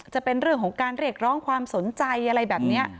จะเป็นเรื่องของการเรียกร้องความสนใจอะไรแบบนี้